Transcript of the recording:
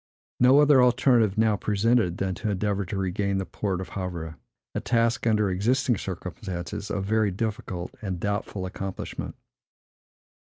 No other alternative now presented, than to endeavor to regain the port of Havre; a task, under existing circumstances, of very difficult and doubtful accomplishment.